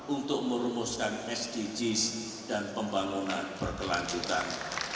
untuk merumuskan sdgs dan pembangunan berkelanjutan